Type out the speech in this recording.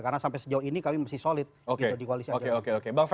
karena sampai sejauh ini kami masih solid gitu di koalisi agama